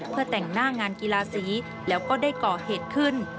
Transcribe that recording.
เพื่อแต่งหน้างานกีฬาสีแล้วก็ได้ก่อเหตุขึ้น